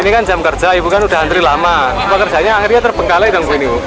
ini kan jam kerja ibu kan udah antri lama pekerjaannya akhirnya terpengkalai dong ini